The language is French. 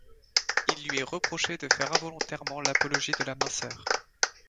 Il lui est reproché de faire involontairement l'apologie de la minceur.